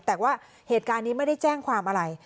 แต่ว่าเหตุการณ์นี้ไม่ได้แจ้งความอะไร